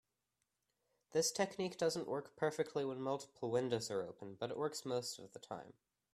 This technique doesn't work perfectly when multiple windows are open, but it works most of the time.